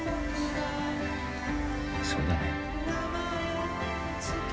そうだね。